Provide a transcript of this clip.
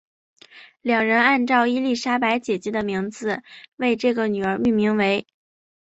两人按照伊丽莎白姐姐的名字为这个女儿命名为。